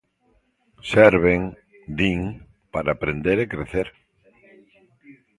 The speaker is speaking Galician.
Serven, din, para aprender e crecer.